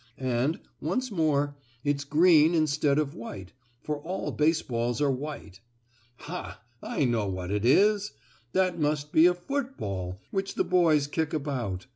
And, once more, it's green instead of white, for all baseballs are white. Ha! I know what it is. That must be a football which the boys kick about.